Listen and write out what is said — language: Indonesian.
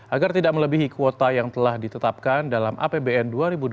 agar tidak melebihi kuota yang telah ditetapkan dalam apbn dua ribu dua puluh